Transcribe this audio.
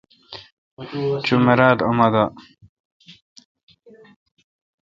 چو مرال اؙن ما دا۔